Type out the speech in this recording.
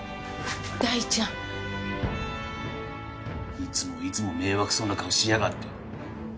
大ちゃん。いつもいつも迷惑そうな顔しやがって。